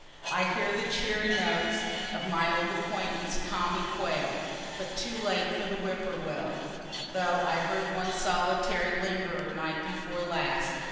I hear the cheery notes of my old acquaintance Tommy quail; but too late for the whip poor will, (though I heard one solitary lingerer night before last.)